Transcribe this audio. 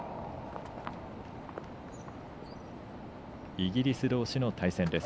イギリスどうしの対戦です。